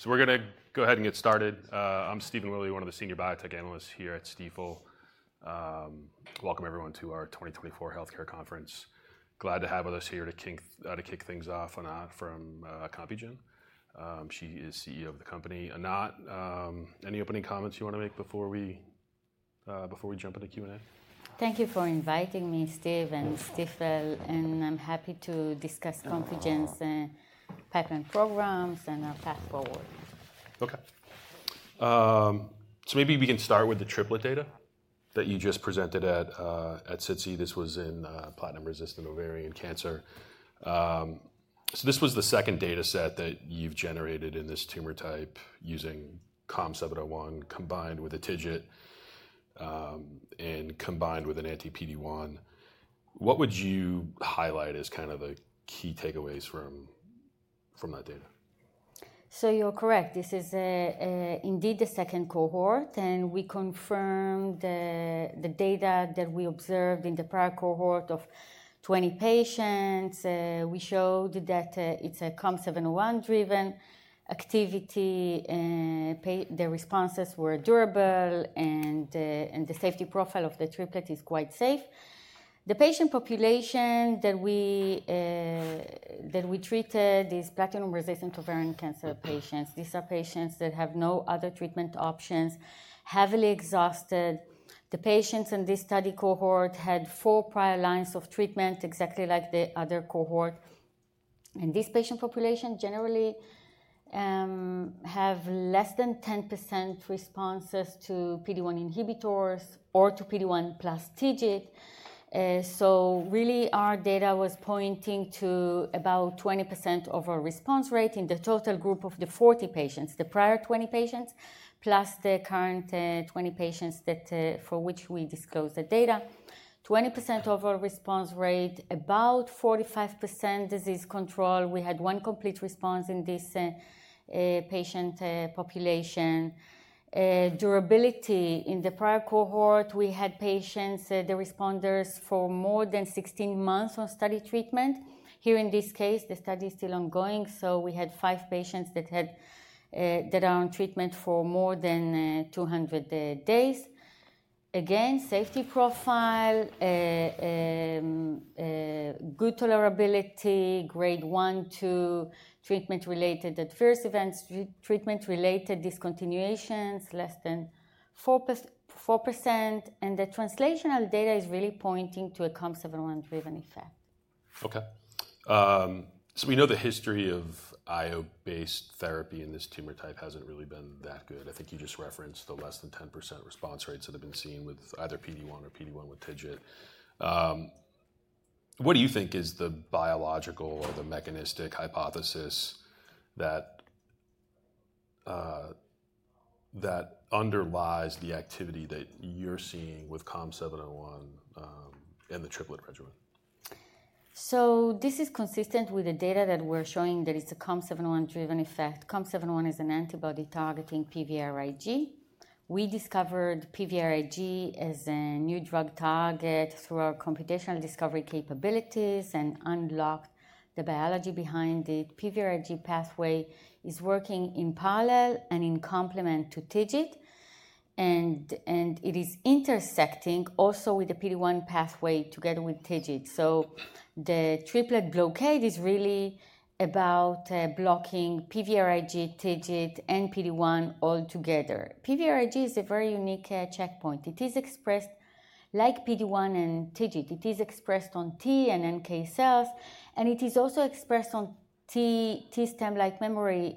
So we're going to go ahead and get started. I'm Stephen Willey, one of the senior biotech analysts here at Stifel. Welcome, everyone, to our 2024 Healthcare Conference. Glad to have with us here to kick things off, Anat from Compugen. She is CEO of the company. Anat, any opening comments you want to make before we jump into Q&A? Thank you for inviting me, Stephen and Stifel, and I'm happy to discuss Compugen's pipeline programs and our path forward. OK. So maybe we can start with the triplet data that you just presented at SITC. This was in platinum-resistant ovarian cancer. So this was the second data set that you've generated in this tumor type using COM701 combined with a TIGIT and combined with an anti-PD-1. What would you highlight as kind of the key takeaways from that data? So you're correct. This is indeed the second cohort. And we confirmed the data that we observed in the prior cohort of 20 patients. We showed that it's a COM701-driven activity. The responses were durable, and the safety profile of the triplet is quite safe. The patient population that we treated is platinum-resistant ovarian cancer patients. These are patients that have no other treatment options, heavily exhausted. The patients in this study cohort had four prior lines of treatment, exactly like the other cohort. And this patient population generally has less than 10% responses to PD-1 inhibitors or to PD-1 plus TIGIT. So really, our data was pointing to about 20% overall response rate in the total group of the 40 patients, the prior 20 patients, plus the current 20 patients for which we disclosed the data. 20% overall response rate, about 45% disease control. We had one complete response in this patient population. Durability in the prior cohort, we had patients, the responders, for more than 16 months on study treatment. Here in this case, the study is still ongoing. So we had five patients that are on treatment for more than 200 days. Again, safety profile, good tolerability, grade 1 to 2 treatment-related adverse events, treatment-related discontinuations, less than 4%. And the translational data is really pointing to a COM701-driven effect. OK, so we know the history of IO-based therapy in this tumor type hasn't really been that good. I think you just referenced the less than 10% response rates that have been seen with either PD-1 or PD-1 with TIGIT. What do you think is the biological or the mechanistic hypothesis that underlies the activity that you're seeing with COM701 in the triplet regimen? So this is consistent with the data that we're showing that it's a COM701-driven effect. COM701 is an antibody targeting PVRIG. We discovered PVRIG as a new drug target through our computational discovery capabilities and unlocked the biology behind it. PVRIG pathway is working in parallel and in complement to TIGIT. And it is intersecting also with the PD-1 pathway together with TIGIT. So the triplet blockade is really about blocking PVRIG, TIGIT, and PD-1 all together. PVRIG is a very unique checkpoint. It is expressed like PD-1 and TIGIT. It is expressed on T and NK cells. And it is also expressed on T-stem-like memory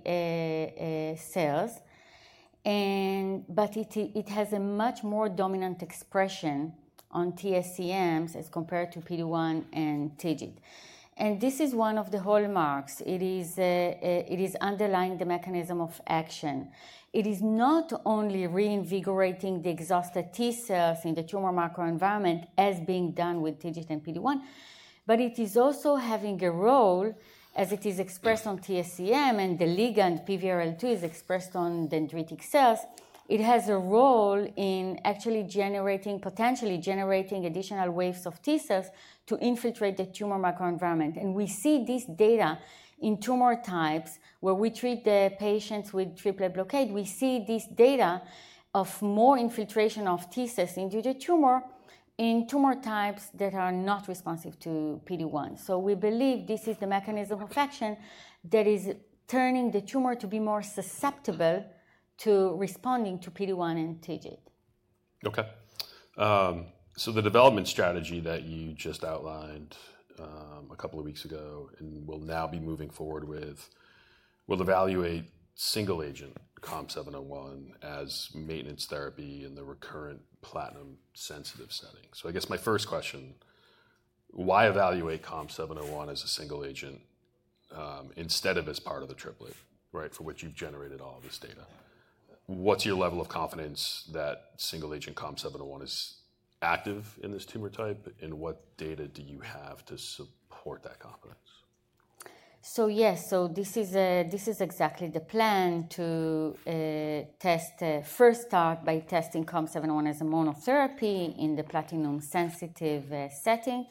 cells. But it has a much more dominant expression on TSCMs as compared to PD-1 and TIGIT. And this is one of the hallmarks. It is underlying the mechanism of action. It is not only reinvigorating the exhausted T cells in the tumor microenvironment as being done with TIGIT and PD-1, but it is also having a role as it is expressed on TSCM and the ligand PVRL2 is expressed on dendritic cells. It has a role in actually generating, potentially generating additional waves of T cells to infiltrate the tumor microenvironment, and we see this data in tumor types where we treat the patients with triplet blockade. We see this data of more infiltration of T cells into the tumor in tumor types that are not responsive to PD-1, so we believe this is the mechanism of action that is turning the tumor to be more susceptible to responding to PD-1 and TIGIT. OK, so the development strategy that you just outlined a couple of weeks ago and will now be moving forward with will evaluate single-agent COM701 as maintenance therapy in the recurrent platinum-sensitive setting, so I guess my first question, why evaluate COM701 as a single agent instead of as part of the triplet for which you've generated all this data? What's your level of confidence that single-agent COM701 is active in this tumor type? And what data do you have to support that confidence? So yes, so this is exactly the plan to test first start by testing COM701 as a monotherapy in the platinum-sensitive setting.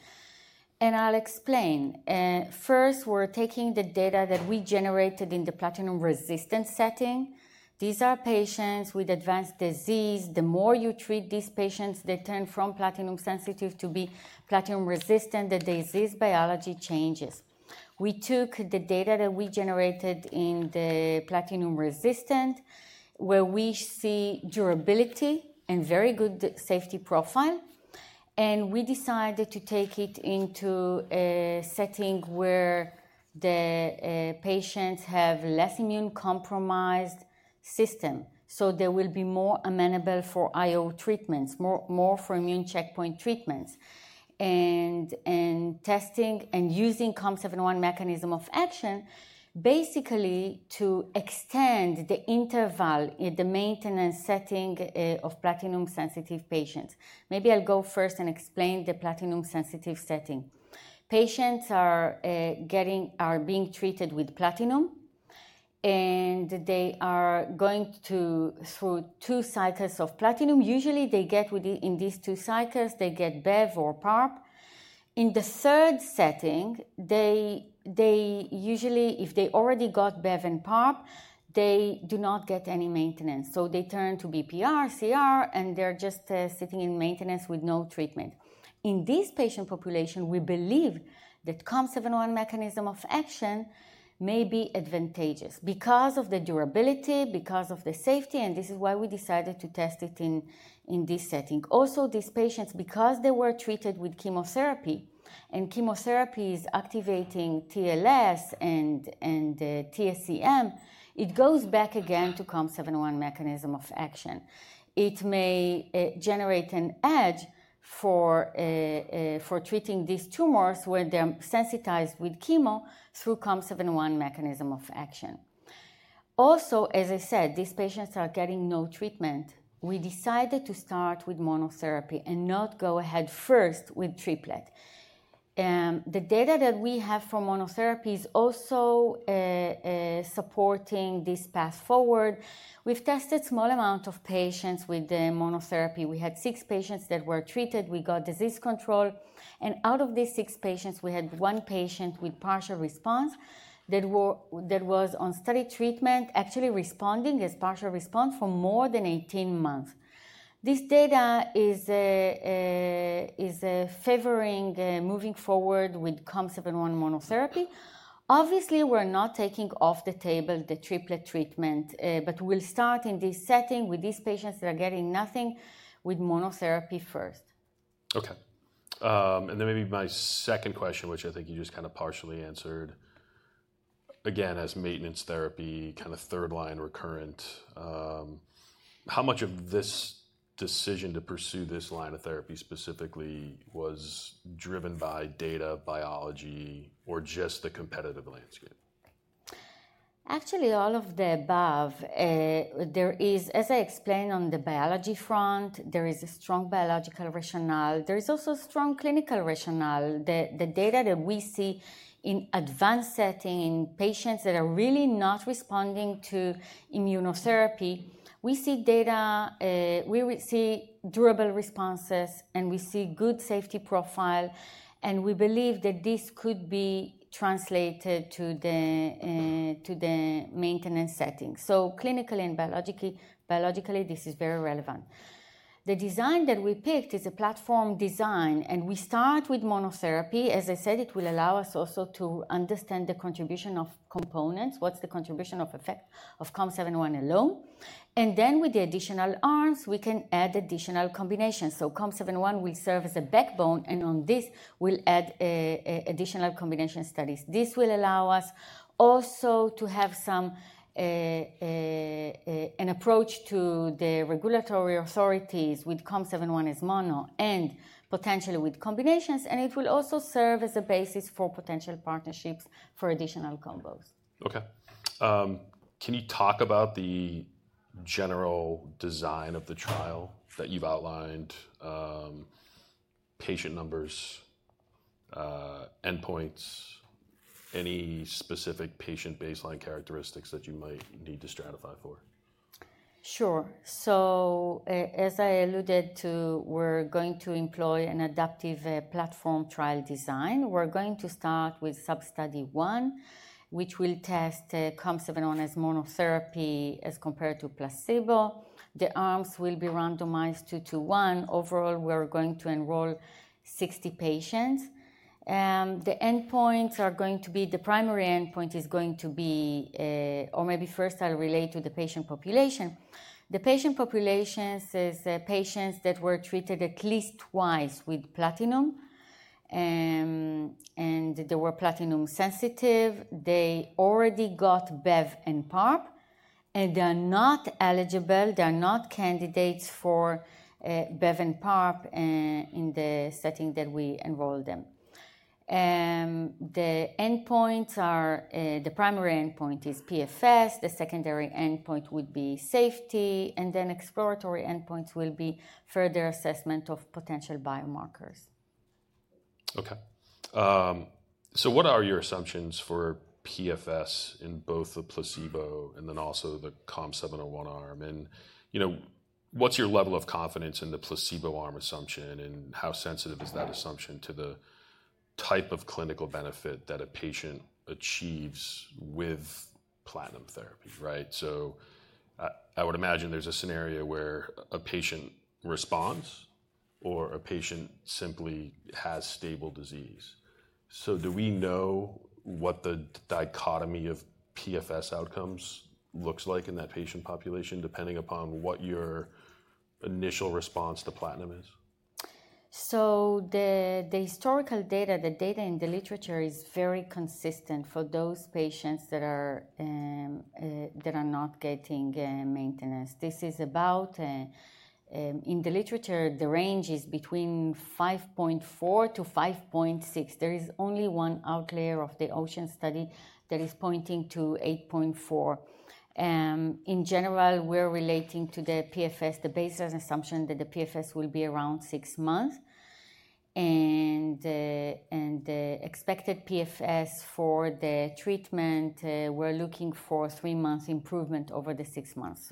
And I'll explain. First, we're taking the data that we generated in the platinum-resistant setting. These are patients with advanced disease. The more you treat these patients, they turn from platinum-sensitive to be platinum-resistant. The disease biology changes. We took the data that we generated in the platinum-resistant where we see durability and very good safety profile. And we decided to take it into a setting where the patients have less immune-compromised system. So they will be more amenable for IO treatments, more for immune checkpoint treatments. And testing and using COM701 mechanism of action basically to extend the interval in the maintenance setting of platinum-sensitive patients. Maybe I'll go first and explain the platinum-sensitive setting. Patients are being treated with platinum. And they are going through two cycles of platinum. Usually, they get in these two cycles, they get Bev or PARP. In the third setting, they usually, if they already got Bev and PARP, they do not get any maintenance. So they turn to PR, CR, and they're just sitting in maintenance with no treatment. In this patient population, we believe that COM701 mechanism of action may be advantageous because of the durability, because of the safety. And this is why we decided to test it in this setting. Also, these patients, because they were treated with chemotherapy and chemotherapy is activating TLS and TSCM, it goes back again to COM701 mechanism of action. It may generate an edge for treating these tumors when they're sensitized with chemo through COM701 mechanism of action. Also, as I said, these patients are getting no treatment. We decided to start with monotherapy and not go ahead first with triplet. The data that we have from monotherapy is also supporting this path forward. We've tested a small amount of patients with monotherapy. We had six patients that were treated. We got disease control, and out of these six patients, we had one patient with partial response that was on study treatment, actually responding as partial response for more than 18 months. This data is favoring moving forward with COM701 monotherapy. Obviously, we're not taking off the table the triplet treatment, but we'll start in this setting with these patients that are getting nothing with monotherapy first. OK. And then maybe my second question, which I think you just kind of partially answered, again, as maintenance therapy, kind of third line recurrent. How much of this decision to pursue this line of therapy specifically was driven by data biology or just the competitive landscape? Actually, all of the above. There is, as I explained on the biology front, there is a strong biological rationale. There is also a strong clinical rationale. The data that we see in advanced setting in patients that are really not responding to immunotherapy, we see durable responses. And we see good safety profile. And we believe that this could be translated to the maintenance setting. So clinically and biologically, this is very relevant. The design that we picked is a platform design. And we start with monotherapy. As I said, it will allow us also to understand the contribution of components, what's the contribution of effect of COM701 alone. And then with the additional arms, we can add additional combinations. So COM701 will serve as a backbone. And on this, we'll add additional combination studies. This will allow us also to have an approach to the regulatory authorities with COM701 as mono and potentially with combinations, and it will also serve as a basis for potential partnerships for additional combos. OK. Can you talk about the general design of the trial that you've outlined, patient numbers, endpoints, any specific patient baseline characteristics that you might need to stratify for? Sure. So as I alluded to, we're going to employ an adaptive platform trial design. We're going to start with sub-study one, which will test COM701 as monotherapy as compared to placebo. The arms will be randomized two to one. Overall, we're going to enroll 60 patients. The endpoints are going to be the primary endpoint is going to be or maybe first I'll relate to the patient population. The patient population is patients that were treated at least twice with platinum. And they were platinum-sensitive. They already got Bev and PARP. And they're not eligible. They're not candidates for Bev and PARP in the setting that we enrolled them. The primary endpoint is PFS. The secondary endpoint would be safety. And then exploratory endpoints will be further assessment of potential biomarkers. OK. So what are your assumptions for PFS in both the placebo and then also the COM701 arm? And what's your level of confidence in the placebo arm assumption? And how sensitive is that assumption to the type of clinical benefit that a patient achieves with platinum therapy? So I would imagine there's a scenario where a patient responds or a patient simply has stable disease. So do we know what the dichotomy of PFS outcomes looks like in that patient population depending upon what your initial response to platinum is? The historical data, the data in the literature, is very consistent for those patients that are not getting maintenance. This is about, in the literature, the range is between 5.4-5.6. There is only one outlier of the OCEANS study that is pointing to 8.4. In general, we're relating to the PFS, the baseline assumption that the PFS will be around six months. The expected PFS for the treatment, we're looking for three months improvement over the six months.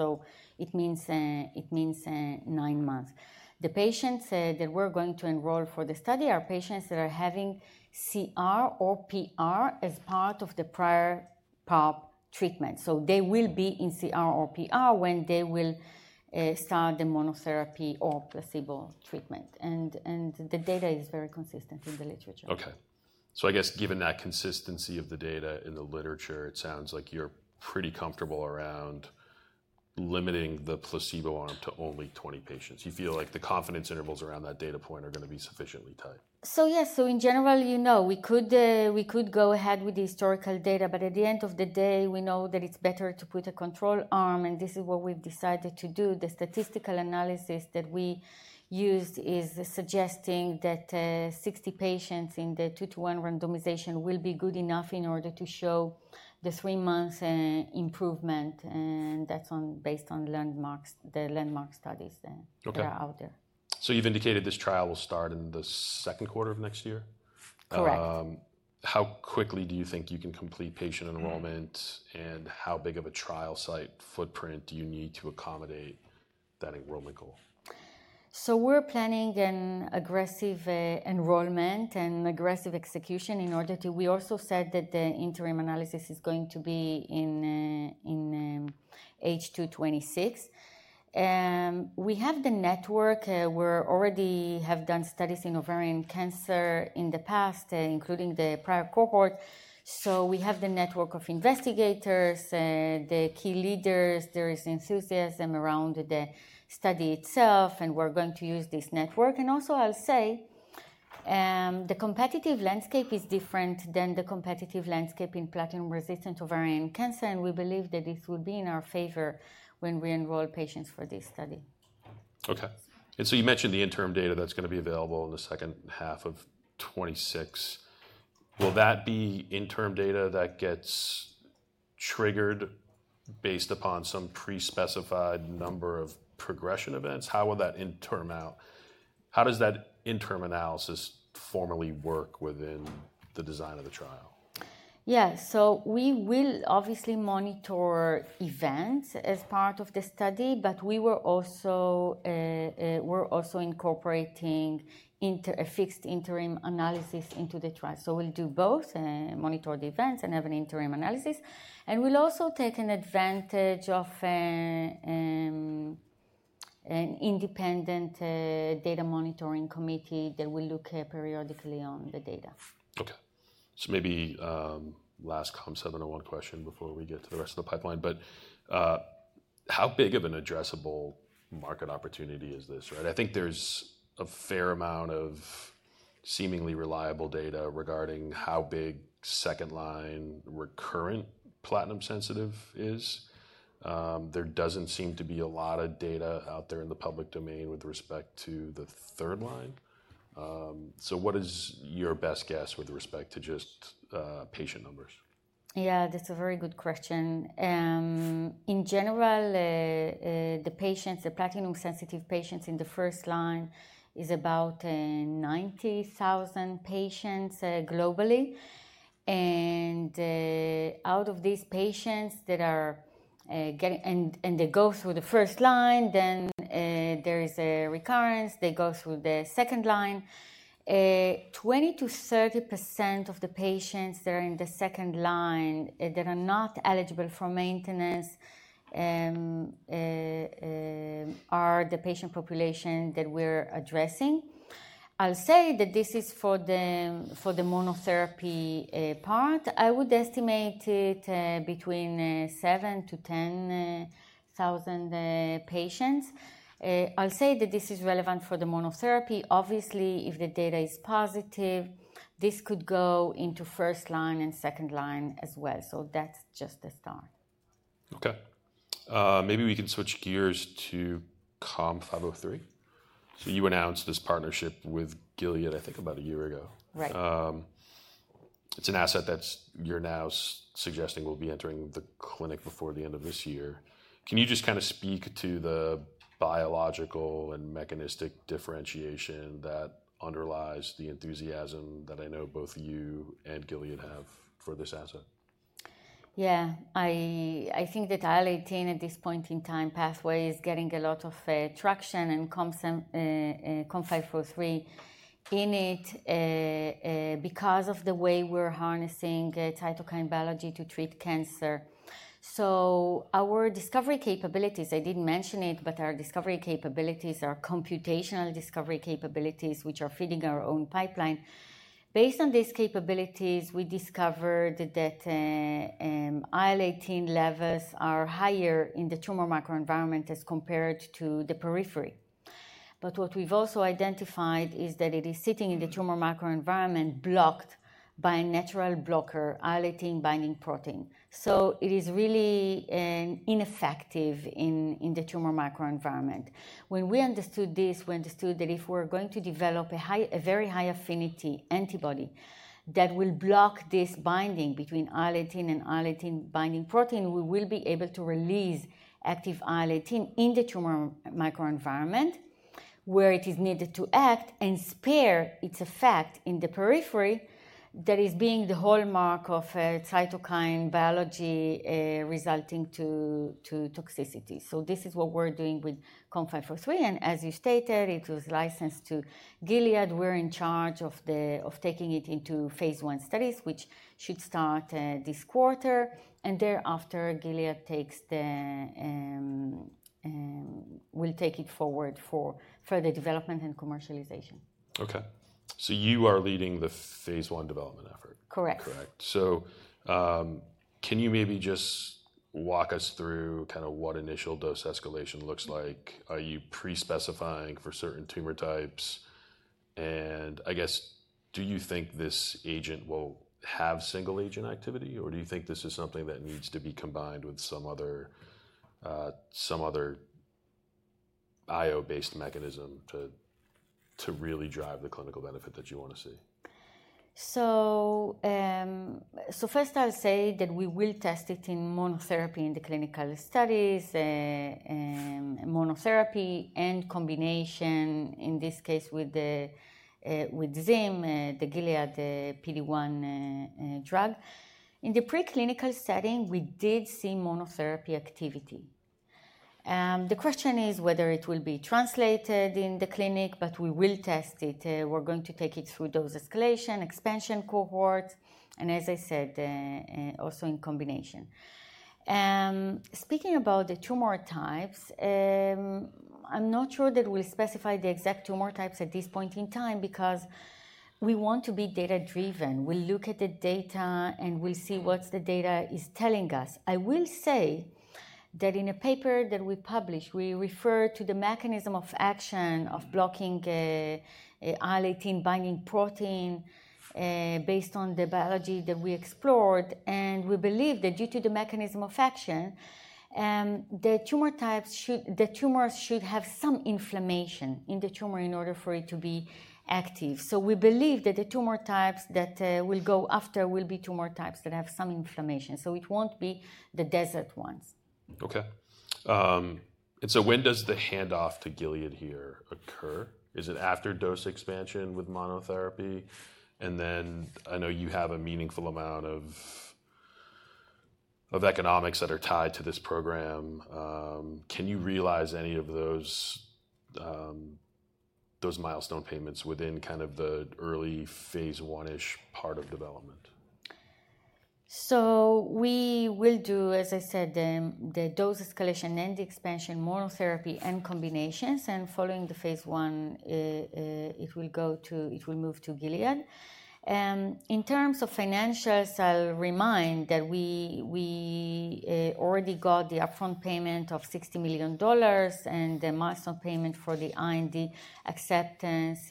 It means nine months. The patients that we're going to enroll for the study are patients that are having CR or PR as part of the prior PARP treatment. They will be in CR or PR when they will start the monotherapy or placebo treatment. The data is very consistent in the literature. OK, so I guess given that consistency of the data in the literature, it sounds like you're pretty comfortable around limiting the placebo arm to only 20 patients. You feel like the confidence intervals around that data point are going to be sufficiently tight. Yes, so in general, you know we could go ahead with the historical data, but at the end of the day, we know that it's better to put a control arm, and this is what we've decided to do. The statistical analysis that we used is suggesting that 60 patients in the two to one randomization will be good enough in order to show the three months improvement, and that's based on the landmark studies that are out there. You've indicated this trial will start in the second quarter of next year. Correct. How quickly do you think you can complete patient enrollment? And how big of a trial site footprint do you need to accommodate that enrollment goal? So we're planning an aggressive enrollment and aggressive execution in order to, we also said that the interim analysis is going to be in H2 2026. We have the network. We already have done studies in ovarian cancer in the past, including the prior cohort. So we have the network of investigators, the key leaders. There is enthusiasm around the study itself. And we're going to use this network. And also, I'll say the competitive landscape is different than the competitive landscape in platinum-resistant ovarian cancer. And we believe that this will be in our favor when we enroll patients for this study. OK. And so you mentioned the interim data that's going to be available in the second half of 2026. Will that be interim data that gets triggered based upon some pre-specified number of progression events? How will that interim out? How does that interim analysis formally work within the design of the trial? Yes. So we will obviously monitor events as part of the study. But we're also incorporating a fixed interim analysis into the trial. So we'll do both, monitor the events and have an interim analysis. And we'll also take advantage of an independent data monitoring committee that will look periodically on the data. Okay, so maybe last COM701 question before we get to the rest of the pipeline, but how big of an addressable market opportunity is this? I think there's a fair amount of seemingly reliable data regarding how big second line recurrent platinum-sensitive is. There doesn't seem to be a lot of data out there in the public domain with respect to the third line, so what is your best guess with respect to just patient numbers? Yeah, that's a very good question. In general, the patients, the platinum-sensitive patients in the first line is about 90,000 patients globally. And out of these patients that are getting and they go through the first line, then there is a recurrence. They go through the second line. 20%-30% of the patients that are in the second line that are not eligible for maintenance are the patient population that we're addressing. I'll say that this is for the monotherapy part. I would estimate it between 7,000-10,000 patients. I'll say that this is relevant for the monotherapy. Obviously, if the data is positive, this could go into first line and second line as well. So that's just a start. OK. Maybe we can switch gears to COM503. So you announced this partnership with Gilead, I think, about a year ago. Right. It's an asset that you're now suggesting will be entering the clinic before the end of this year. Can you just kind of speak to the biological and mechanistic differentiation that underlies the enthusiasm that I know both you and Gilead have for this asset? Yeah. I think that IL-18 at this point in time pathway is getting a lot of traction and COM503 in it because of the way we're harnessing cytokine biology to treat cancer. So our discovery capabilities, I didn't mention it. But our discovery capabilities are computational discovery capabilities, which are feeding our own pipeline. Based on these capabilities, we discovered that IL-18 levels are higher in the tumor microenvironment as compared to the periphery. But what we've also identified is that it is sitting in the tumor microenvironment blocked by a natural blocker, IL-18 binding protein. So it is really ineffective in the tumor microenvironment. When we understood this, we understood that if we're going to develop a very high affinity antibody that will block this binding between IL-18 and IL-18 binding protein, we will be able to release active IL-18 in the tumor microenvironment where it is needed to act and spare its effect in the periphery that is being the hallmark of cytokine biology resulting to toxicity. So this is what we're doing with COM503. And as you stated, it was licensed to Gilead. We're in charge of taking it into phase one studies, which should start this quarter. And thereafter, Gilead will take it forward for further development and commercialization. OK. So you are leading the phase one development effort. Correct. Correct. So can you maybe just walk us through kind of what initial dose escalation looks like? Are you pre-specifying for certain tumor types? And I guess, do you think this agent will have single agent activity? Or do you think this is something that needs to be combined with some other IO-based mechanism to really drive the clinical benefit that you want to see? So first, I'll say that we will test it in monotherapy in the clinical studies, monotherapy and combination, in this case with Zim, the Gilead PD-1 drug. In the preclinical setting, we did see monotherapy activity. The question is whether it will be translated in the clinic. But we will test it. We're going to take it through dose escalation, expansion cohorts, and as I said, also in combination. Speaking about the tumor types, I'm not sure that we'll specify the exact tumor types at this point in time because we want to be data-driven. We'll look at the data, and we'll see what the data is telling us. I will say that in a paper that we published, we refer to the mechanism of action of blocking IL-18 binding protein based on the biology that we explored. And we believe that due to the mechanism of action, the tumors should have some inflammation in the tumor in order for it to be active. So we believe that the tumor types that will go after will be tumor types that have some inflammation. So it won't be the desert ones. OK. And so when does the handoff to Gilead here occur? Is it after dose expansion with monotherapy? And then I know you have a meaningful amount of economics that are tied to this program. Can you realize any of those milestone payments within kind of the early phase one-ish part of development? So we will do, as I said, the dose escalation and the expansion monotherapy and combinations. And following the phase 1, it will move to Gilead. In terms of financials, I'll remind that we already got the upfront payment of $60 million and the milestone payment for the IND acceptance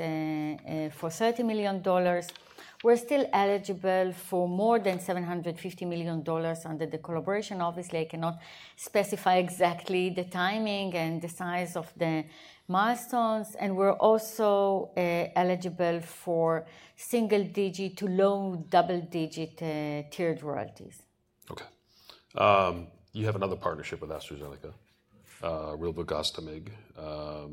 for $30 million. We're still eligible for more than $750 million under the collaboration. Obviously, I cannot specify exactly the timing and the size of the milestones. And we're also eligible for single digit to low double digit tiered royalties. OK. You have another partnership with AstraZeneca, rilvegostomig.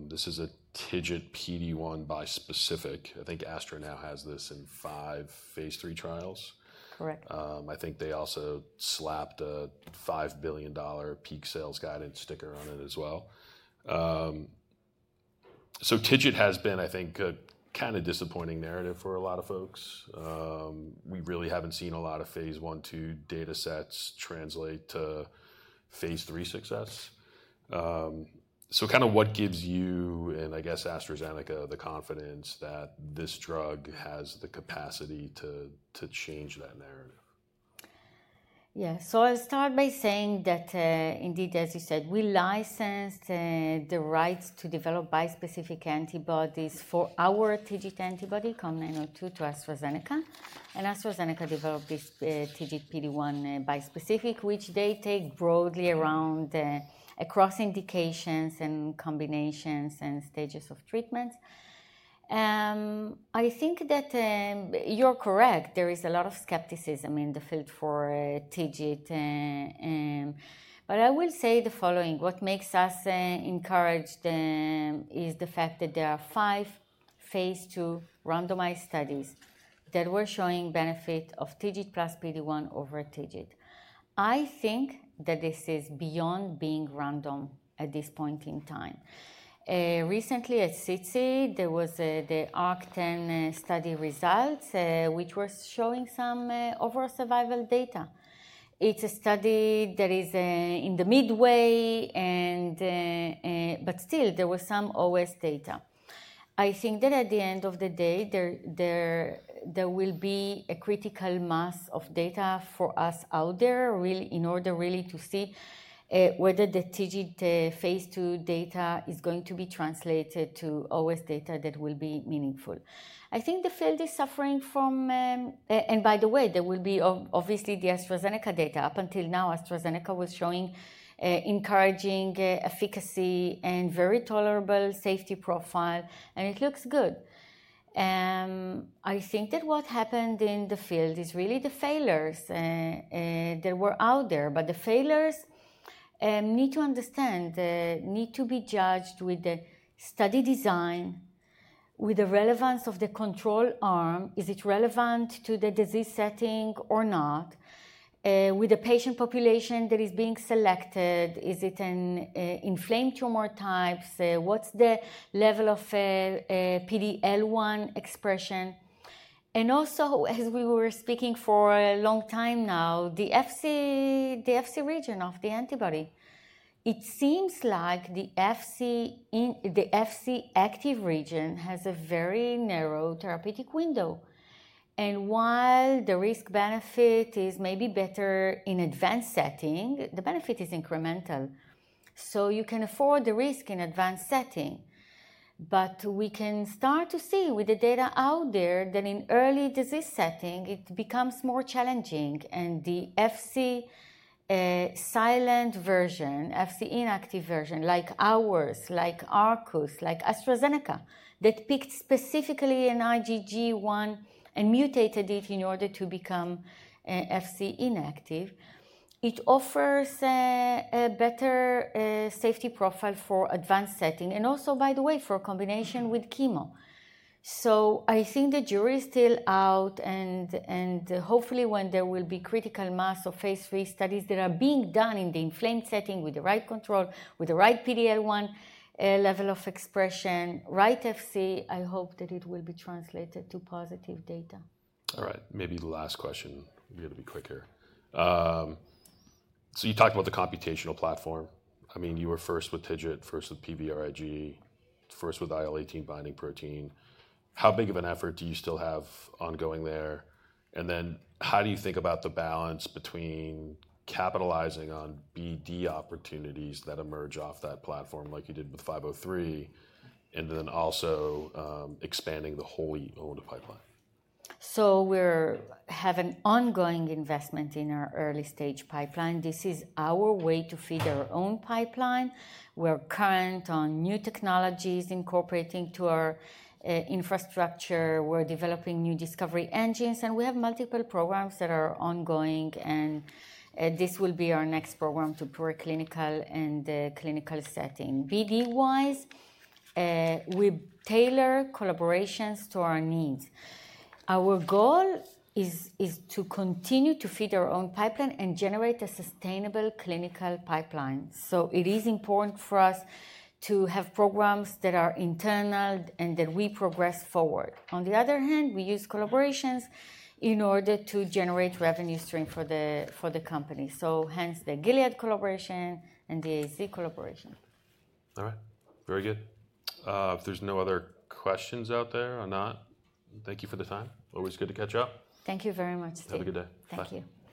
This is a TIGIT PD-1 bispecific. I think Astra now has this in five phase three trials. Correct. I think they also slapped a $5 billion peak sales guidance sticker on it as well. So TIGIT has been, I think, a kind of disappointing narrative for a lot of folks. We really haven't seen a lot of phase one two data sets translate to phase three success. So kind of what gives you and, I guess, AstraZeneca the confidence that this drug has the capacity to change that narrative? Yeah. So I'll start by saying that, indeed, as you said, we licensed the rights to develop bispecific antibodies for our TIGIT antibody, COM902, to AstraZeneca. And AstraZeneca developed this TIGIT PD-1 bispecific, which they take broadly around across indications and combinations and stages of treatment. I think that you're correct. There is a lot of skepticism in the field for TIGIT. But I will say the following. What makes us encouraged is the fact that there are five phase two randomized studies that were showing benefit of TIGIT plus PD-1 over PD-1. I think that this is beyond being random at this point in time. Recently, at SITC, there was the ARC-10 study results, which were showing some overall survival data. It's a study that is in the midway. But still, there was some OS data. I think that at the end of the day, there will be a critical mass of data for us out there in order really to see whether the TIGIT phase 2 data is going to be translated to OS data that will be meaningful. I think the field is suffering from, and by the way, there will be obviously the AstraZeneca data. Up until now, AstraZeneca was showing encouraging efficacy and very tolerable safety profile, and it looks good. I think that what happened in the field is really the failures that were out there, but the failures need to understand, need to be judged with the study design, with the relevance of the control arm. Is it relevant to the disease setting or not? With the patient population that is being selected, is it an inflamed tumor type? What's the level of PD-L1 expression? And also, as we were speaking for a long time now, the Fc region of the antibody. It seems like the Fc active region has a very narrow therapeutic window. And while the risk-benefit is maybe better in advanced setting, the benefit is incremental. So you can afford the risk in advanced setting. But we can start to see with the data out there that in early disease setting, it becomes more challenging. And the Fc silent version, Fc inactive version, like ours, like Arcus, like AstraZeneca, that picked specifically an IgG1 and mutated it in order to become Fc inactive, it offers a better safety profile for advanced setting and also, by the way, for combination with chemo. So I think the jury is still out. Hopefully, when there will be critical mass of phase three studies that are being done in the inflamed setting with the right control, with the right PD-L1 level of expression, right Fc, I hope that it will be translated to positive data. All right. Maybe the last question. We have to be quicker. So you talked about the computational platform. I mean, you were first with TIGIT, first with PVRIG, first with IL-18 binding protein. How big of an effort do you still have ongoing there? And then how do you think about the balance between capitalizing on BD opportunities that emerge off that platform like you did with 503 and then also expanding the whole pipeline? So we have an ongoing investment in our early stage pipeline. This is our way to feed our own pipeline. We're currently incorporating new technologies into our infrastructure. We're developing new discovery engines. And we have multiple programs that are ongoing. And this will be our next program to preclinical and clinical setting. BD-wise, we tailor collaborations to our needs. Our goal is to continue to feed our own pipeline and generate a sustainable clinical pipeline. So it is important for us to have programs that are internal and that we progress forward. On the other hand, we use collaborations in order to generate revenue stream for the company. So hence the Gilead collaboration and the AZ collaboration. All right. Very good. If there's no other questions out there, I'm not. Thank you for the time. Always good to catch up. Thank you very much. Have a good day. Thank you.